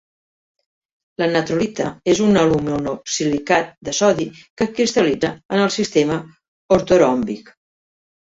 La Natrolita és un aluminosilicat de sodi que cristal·litza en el sistema ortoròmbic.